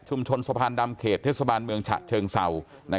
ชุมชนสะพานดำเขตเทคสะพานเมืองฉะเชิงเศรา